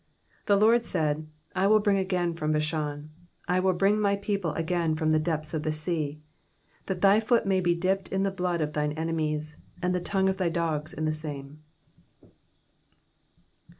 22 The Lord said. I will bring again from Bashan, I will bring my people again from the depths of the sea : 23 That thy foot may be dipped in the blood of thine enemies, and the tongue of thy dogs in the same.